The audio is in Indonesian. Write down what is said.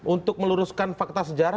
untuk meluruskan fakta sejarah